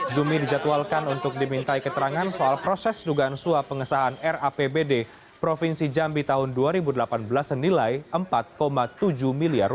zumi dijadwalkan untuk dimintai keterangan soal proses dugaan suap pengesahan rapbd provinsi jambi tahun dua ribu delapan belas senilai rp empat tujuh miliar